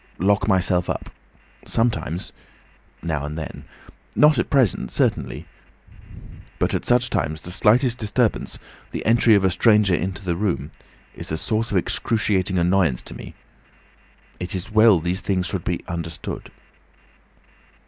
Lock myself up. Sometimes—now and then. Not at present, certainly. At such times the slightest disturbance, the entry of a stranger into the room, is a source of excruciating annoyance to me—it is well these things should be understood."